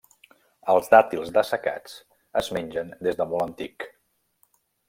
Els dàtils dessecats es mengen des de molt antic.